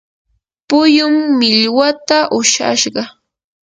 puyum millwata ushashqa.